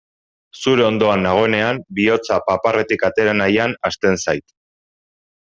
Zure ondoan nagoenean bihotza paparretik atera nahian hasten zait.